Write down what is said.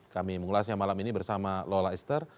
kami mengulasnya malam ini bersama lola ester